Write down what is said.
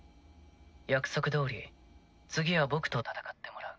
約束どおり次は僕と戦ってもらう。